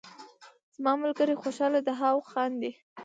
زما ملګری خوشحاله دهاو خاندي